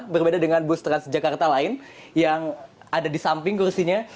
berbeda dengan bus transjakarta lain yang ada di samping kursinya